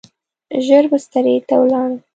ژر بسترې ته ولاړم.